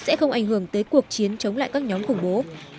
sẽ không ảnh hưởng tới cuộc chiến chống lại các nhóm khủng bố